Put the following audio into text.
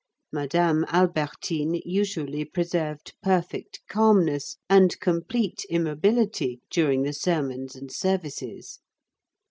Madame Albertine usually preserved perfect calmness and complete immobility during the sermons and services.